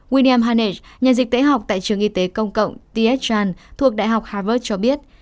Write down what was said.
william hanech nhà dịch tế học tại trường y tế công cộng t h chan thuộc đại học harvard cho biết